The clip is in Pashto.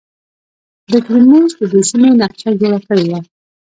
بطلیموس د دې سیمې نقشه جوړه کړې وه